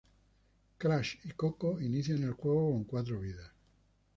Crash y Coco inician el juego con cuatro vidas.